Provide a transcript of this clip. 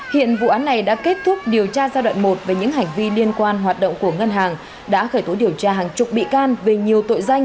hiện vụ án này đã kết thúc điều tra giai đoạn một về những hành vi liên quan hoạt động của ngân hàng đã khởi tố điều tra hàng chục bị can về nhiều tội danh